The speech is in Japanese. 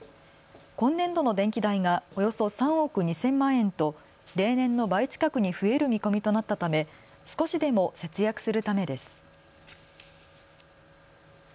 今年度の電気代がおよそ３億２０００万円と例年の倍近くに増える見込みとなったため少しでも節約するためです。